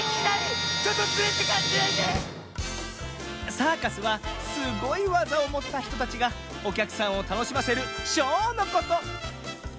サーカスはすごいわざをもったひとたちがおきゃくさんをたのしませるショーのこと。